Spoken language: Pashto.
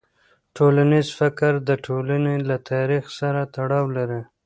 ټولنیز فکر د ټولنې له تاریخ سره تړاو لري.